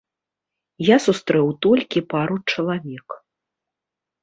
Я сустрэў толькі пару чалавек.